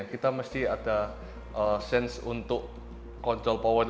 kita mesti ada sens untuk mengontrol tenaganya